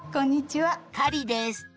カリです。